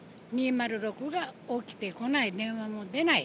２０６が起きてこない、電話も出ない。